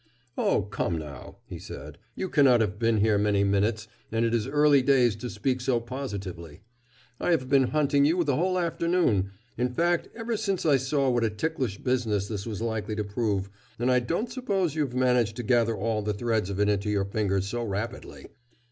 "Oh, come now," he said, "you cannot have been here many minutes, and it is early days to speak so positively. I have been hunting you the whole afternoon in fact, ever since I saw what a ticklish business this was likely to prove and I don't suppose you have managed to gather all the threads of it into your fingers so rapidly."